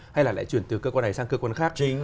hay là lại chuyển từ cơ quan này sang cơ quan khác